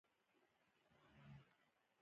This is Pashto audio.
په زر پنځوس میلادي کال کې نفوس څلوېښت زره و.